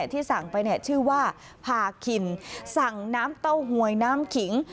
ที่สั่งไปชื่อว่าพาคินสั่งน้ำเต้าหวยน้ำขิง